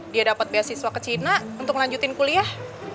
dia dapat beasiswa ke cina untuk ngelanjutin kuliah